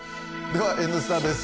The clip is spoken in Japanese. では「Ｎスタ」です。